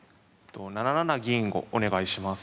７七銀をお願いします。